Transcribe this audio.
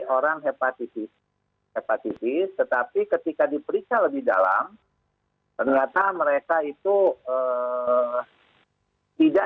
orang hepatitis hepatitis tetapi ketika diperiksa lebih dalam ternyata mereka itu eh eh eh itu yang